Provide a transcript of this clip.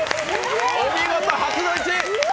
お見事、初の１位。